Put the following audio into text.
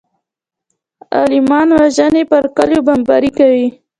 عالمان وژني پر کليو بمبارۍ کوي.